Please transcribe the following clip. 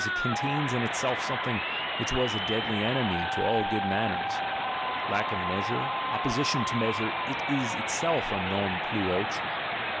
it contains in itself something which was a deadly enemy to all good ASCETIC IDEALS 159 manners. Lack of measure, opposition to measure it is itself a "non plus ultra."